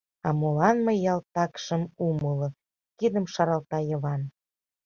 А молан, мый ялтак шым умыло, — кидым шаралта Йыван.